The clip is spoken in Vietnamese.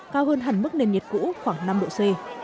cao hơn hẳn mức nền nhiệt cũ khoảng năm độ c